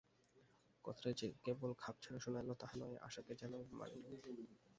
কথাটা যে কেবল খাপছাড়া শুনাইল তাহা নহে, আশাকে যেন মারিল।